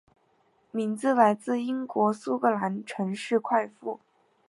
名字来自英国苏格兰城市快富。